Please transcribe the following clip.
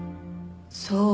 そう。